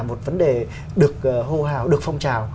một vấn đề được hô hào được phong trào